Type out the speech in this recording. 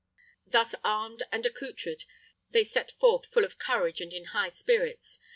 Thus armed and accoutred they set forth full of courage and in high spirits.